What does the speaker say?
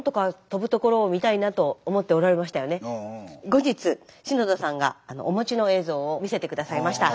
後日篠田さんがお持ちの映像を見せて下さいました。